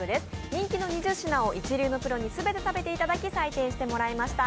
人気の２０品を一流のプロに全て食べていただき、採点してもらいました。